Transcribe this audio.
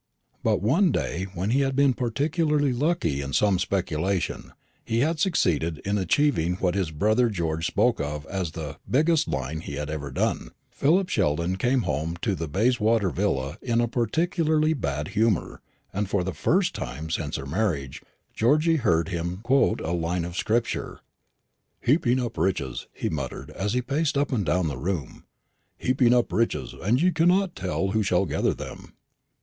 But one day, when he had been particularly lucky in some speculation, when he had succeeded in achieving what his brother George spoke of as the "biggest line he had ever done," Philip Sheldon came home to the Bayswater villa in a particularly bad humour, and for the first time since her marriage Georgy heard him quote a line of Scripture. "Heaping up riches," he muttered, as he paced up and down the room; "heaping up riches, and ye cannot tell who shall gather them."